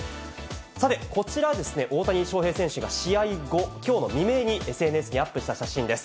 さて、こちら、大谷翔平選手が試合後、きょうの未明にＳＮＳにアップした写真です。